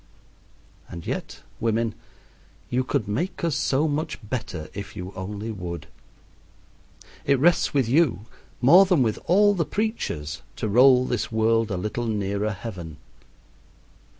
And yet, women, you could make us so much better if you only would. It rests with you, more than with all the preachers, to roll this world a little nearer heaven.